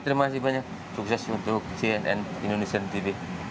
terima kasih banyak sukses untuk cnn indonesian tv